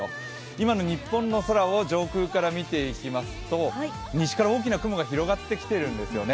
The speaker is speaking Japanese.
今の日本の空を上空から見ていきますと西から大きな雲が広がってきてるんですよね。